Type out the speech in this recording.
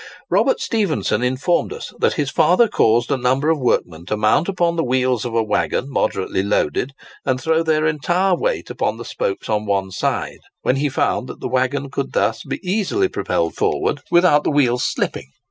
Robert Stephenson informed us that his father caused a number of workmen to mount upon the wheels of a waggon moderately loaded, and throw their entire weight upon the spokes on one side, when he found that the waggon could thus be easily propelled forward without the wheels slipping.